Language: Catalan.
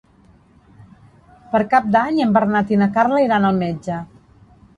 Per Cap d'Any en Bernat i na Carla iran al metge.